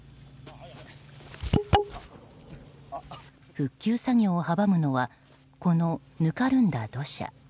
復旧作業を阻むのはこのぬかるんだ土砂。